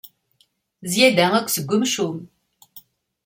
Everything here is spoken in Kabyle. Zzyada akk seg umcum.